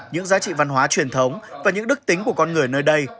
những giá trị văn hóa truyền thống và những đức tính của con người nơi đây